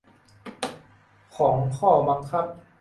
ของข้อบังคับ